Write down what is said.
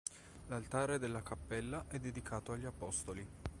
L'altare della cappella è dedicato agli Apostoli.